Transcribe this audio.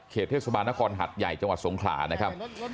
เทศบาลนครหัดใหญ่จังหวัดสงขลานะครับ